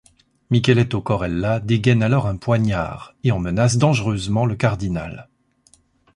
Micheletto Corella dégaine alors un poignard et en menace dangereusement le cardinal.